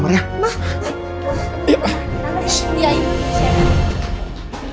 mama mama mama biar biar